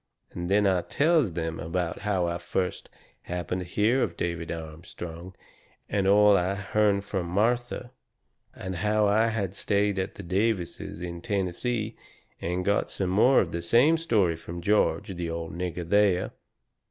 Then I tells them about how I first happened to hear of David Armstrong, and all I had hearn from Martha. And how I had stayed at the Davises in Tennessee and got some more of the same story from George, the old nigger there.